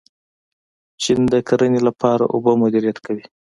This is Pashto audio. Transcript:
چین د کرنې لپاره اوبه مدیریت کوي.